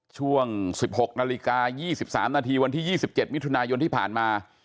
ช่วง๑๖นาฬิกา๒๓นาทีวันที่๒๗มิถุนายนที่ผ่านมา